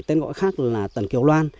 tên gọi khác là tần kiều loan